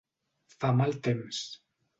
Fa mal temps.